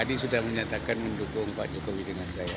tadi sudah menyatakan mendukung pak jokowi dengan saya